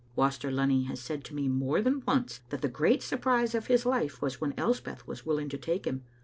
Waster Lunny has said to me more than once that the great surprise of his life was when Elspeth was willing to take him.